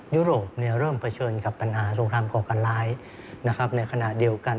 ยุโรปเริ่มเผชิญกับปัญหาสงครามก่อการร้ายในขณะเดียวกัน